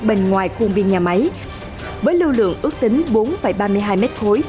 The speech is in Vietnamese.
bên ngoài khuôn viên nhà máy với lưu lượng ước tính bốn ba mươi hai mét khối